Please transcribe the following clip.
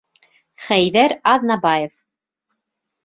Хәйҙәр АҘНАБАЕВ.